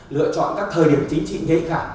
lựa chọn các thời điểm chính trị ngây cả